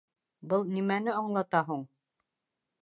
— Был нимәне аңлата һуң?